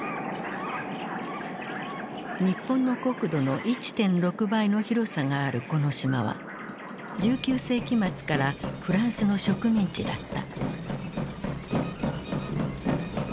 日本の国土の１．６倍の広さがあるこの島は１９世紀末からフランスの植民地だった。